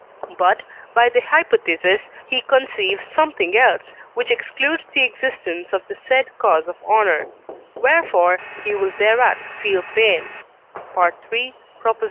But, by the hypothesis, he conceives something else, which excludes the existence of the said cause of honour: wherefore he will thereat feel pain (III.